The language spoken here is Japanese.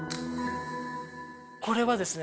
これはですね